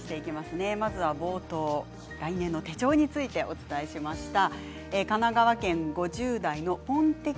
冒頭、来年の手帳についてお伝えしました。